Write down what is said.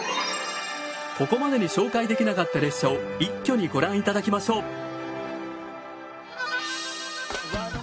ここまでに紹介できなかった列車を一挙にご覧頂きましょう。